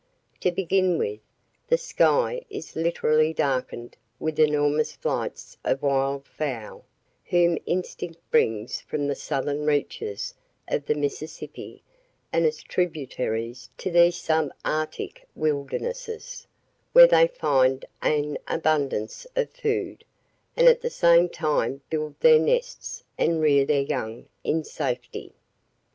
To begin with, the sky is literally darkened with enormous flights of wild fowl, whom instinct brings from the southern reaches of the Mississippi and its tributaries to these sub Arctic wildernesses, where they find an abundance of food, and at the same time build their nests and rear their young in safety.